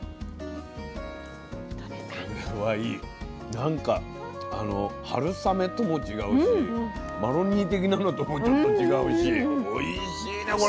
なんか春雨とも違うしマロニー的なのともちょっと違うしおいしいねこれ。